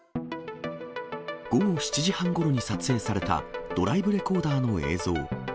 午後７時半ごろに撮影されたドライブレコーダーの映像。